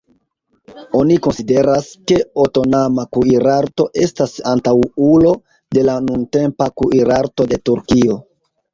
Oni konsideras, ke otomana kuirarto estas antaŭulo de la nuntempa kuirarto de Turkio.